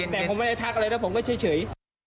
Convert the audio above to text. แต่ผมไม่ได้ทักอะไรนะผมก็เฉย